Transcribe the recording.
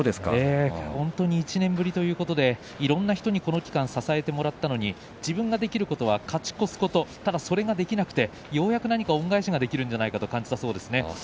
本当に１年ぶりということでいろんな人に、この期間支えてもらったのに自分ができることは勝ち越すことただそれができなくてようやく何か恩返しできるんじゃないかと感じたそうです。